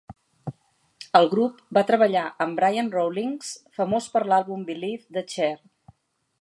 El grup va treballar amb Brian Rawlings, famós per l'àlbum "Believe" de Cher.